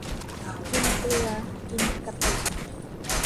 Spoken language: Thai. กินเกลือกินกะปิ